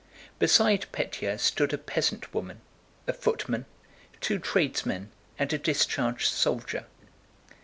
Beside Pétya stood a peasant woman, a footman, two tradesmen, and a discharged soldier.